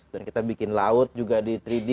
dan kita bikin laut juga di tiga d